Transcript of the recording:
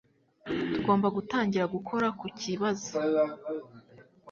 Tugomba gutangira gukora kukibazo.